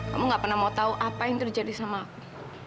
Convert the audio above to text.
kamu gak pernah mau tahu apa yang terjadi sama aku